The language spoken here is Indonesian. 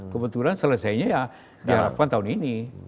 kebetulan selesainya ya diharapkan tahun ini